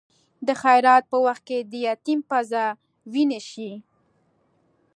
د خیرات په وخت کې د یتیم پزه وینې شي.